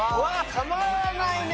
たまらないね。